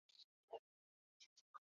常用进程同步原语实现数据同步。